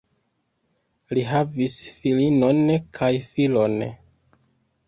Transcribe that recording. Li havis filinon kaj filon.